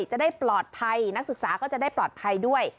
จะได้ปลอดภัยนักศึกษาก็จะได้ปลอดภัยด้วย